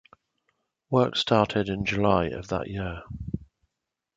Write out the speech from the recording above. Work started in July of that year.